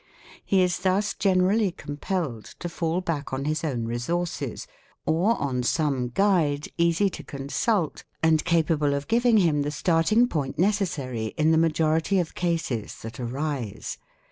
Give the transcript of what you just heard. He is thus generally compelled to fall back on his own resources, or on some guide easy to consult and capable of giving him the starting point neces sary in the majority of cases that arise.